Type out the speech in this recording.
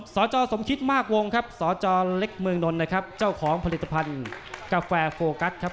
สจสมคิดมากวงครับสจเล็กเมืองนนท์นะครับเจ้าของผลิตภัณฑ์กาแฟโฟกัสครับ